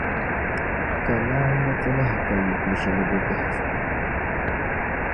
Ka laamba ti lahi ka yiko shɛli bɛ bihi zuɣu.